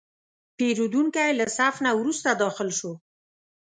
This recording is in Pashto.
پیرودونکی له صف نه وروسته داخل شو.